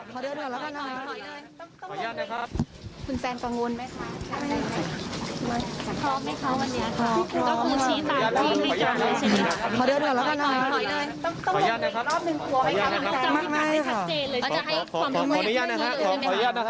ขอเดินก่อนแล้วกันนะครับ